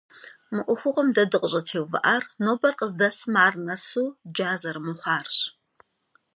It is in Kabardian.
Мы ӏуэхугъуэм дэ дыкъыщӏытеувыӏар нобэр къыздэсым ар нэсу джа зэрымыхъуарщ.